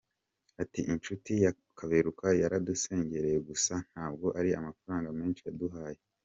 Ati “Inshuti ya Kaberuka yaradusengereye gusa, ntabwo ari amafaranga menshi yaduhaye.